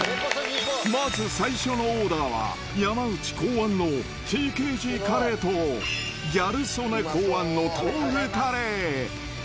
まず最初のオーダーは、山内考案のＴＫＧカレーと、ギャル曽根考案の豆腐カレー。